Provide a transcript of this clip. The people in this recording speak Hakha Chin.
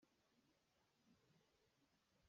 Nangmah nakcha cun amah kaa thim deuh lai.